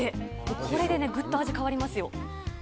これでね、ぐっと味、変わりますよ。